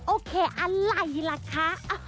โอเคอะไรล่ะคะ